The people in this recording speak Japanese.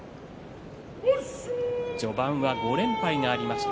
序盤は５連敗がありました。